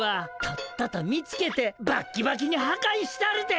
とっとと見つけてバッキバキにはかいしたるで。